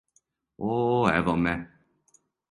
О, ево ме.